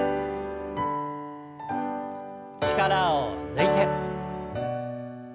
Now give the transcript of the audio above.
力を抜いて。